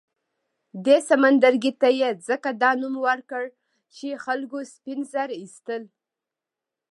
دې سمندرګي ته یې ځکه دا نوم ورکړ چې خلکو سپین زر اېستل.